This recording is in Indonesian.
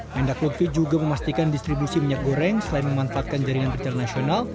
mendak lutfi juga memastikan distribusi minyak goreng selain memanfaatkan jaringan perjalanan nasional